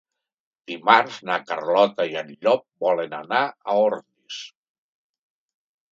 Dimarts na Carlota i en Llop volen anar a Ordis.